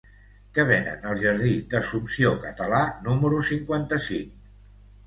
Què venen al jardí d'Assumpció Català número cinquanta-cinc?